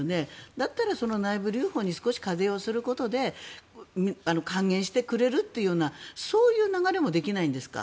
だったらその内部留保に少し課税することで還元してくれるというようなそういう流れもできないんですか？